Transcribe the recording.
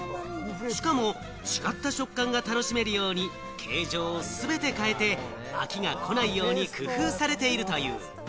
しかも違った食感が楽しめるように形状を全て変えて、飽きがこないように工夫されているという。